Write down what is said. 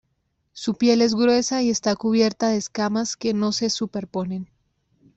Su piel es gruesa y está cubierta de escamas que no se superponen.